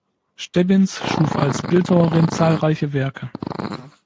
Stebbins schuf als Bildhauerin zahlreiche Werke.